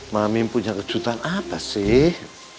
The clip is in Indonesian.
mami punya kejutan apa sih